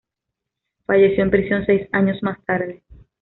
Falleció en prisión seis años más tarde.